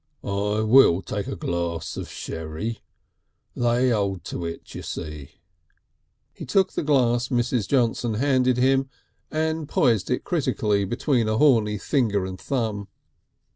"I will take a glass of sherry. They 'old to it, you see." He took the glass Mrs. Johnson handed him, and poised it critically between a horny finger and thumb.